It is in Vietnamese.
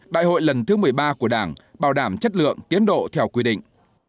đại hội lần thứ một mươi ba của đảng bảo đảm chất lượng tiến độ theo quy định